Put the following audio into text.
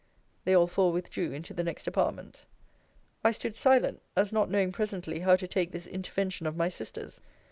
They all four withdrew into the next apartment. I stood silent, as not knowing presently how to take this intervention of my sister's.